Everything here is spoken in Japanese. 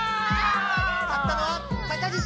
勝ったのは高岸！